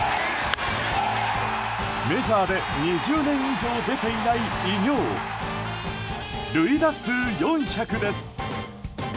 メジャーで２０年以上出ていない偉業塁打数４００です。